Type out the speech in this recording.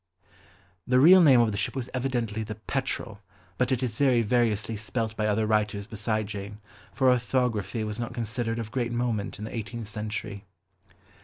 The real name of the ship was evidently the Petrel, but it is very variously spelt by other writers beside Jane, for orthography was not considered of great moment in the eighteenth century.